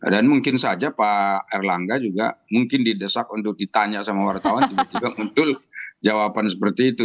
dan mungkin saja pak erlangga juga mungkin didesak untuk ditanya sama wartawan tiba tiba muncul jawaban seperti itu